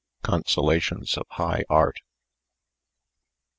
CONSOLATIONS OF HIGH ART.